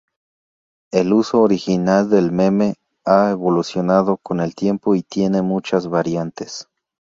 El uso original del meme ha evolucionado con el tiempo y tiene muchas variantes.